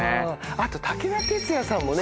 あと武田鉄矢さんもね。